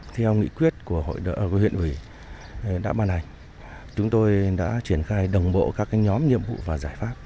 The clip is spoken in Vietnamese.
theo nghị quyết của hội huyện ủy đã ban hành chúng tôi đã triển khai đồng bộ các nhóm nhiệm vụ và giải pháp